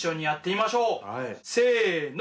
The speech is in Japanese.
せの。